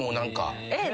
えっ？